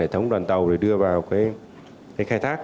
hệ thống đoàn tàu để đưa vào khai thác